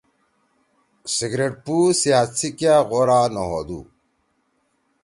سیگریٹ پُو صحت سی کیا غورا نہ ہودُو۔